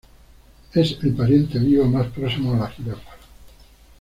Es el pariente vivo más próximo a la jirafa.